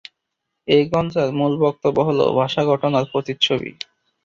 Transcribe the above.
এ-গ্রন্থের মূল বক্তব্য হলো: ভাষা ঘটনার প্রতিচ্ছবি।